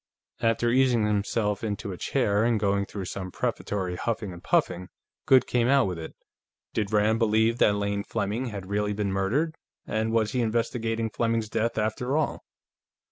After easing himself into a chair, and going through some prefatory huffing and puffing, Goode came out with it. Did Rand believe that Lane Fleming had really been murdered, and was he investigating Fleming's death, after all?